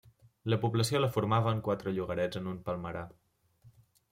La població la formaven quatre llogarets en un palmerar.